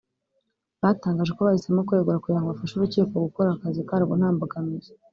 batangaje ko bahisemo kwegura kugira ngo bafashe urukiko gukora akazi karwo nta mbogamizi